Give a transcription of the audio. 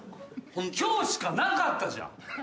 今日しかなかったじゃん。